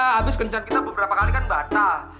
habis kencan kita beberapa kali kan batal